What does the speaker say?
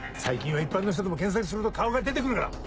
最近は一般の人でも検索すると顔が出て来るから。